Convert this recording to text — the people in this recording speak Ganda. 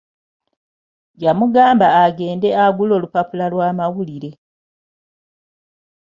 Yamugamba agende agule olupapula lw'amawulire.